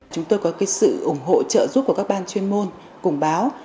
chúng tôi có sự ủng hộ trợ giúp của các ban chuyên môn cùng báo